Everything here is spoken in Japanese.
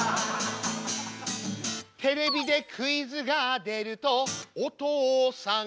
「テレビでクイズが出るとお父さんが」